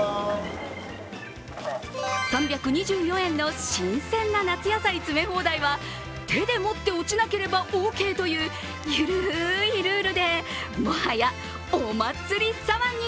３２４円の新鮮な夏野菜詰め放題は手で持って落ちなければオーケーという緩いルールでもはやお祭り騒ぎ。